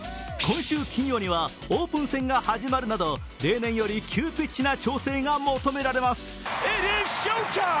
今週金曜にはオープン戦が始まるなど、例年より急ピッチな調整が求められます。